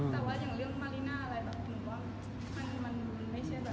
แต่ว่าอย่างเรื่องมาริน่าอะไรแบบหนูว่าอันนี้มันไม่ใช่แบบอันนี้ของเราแล้ว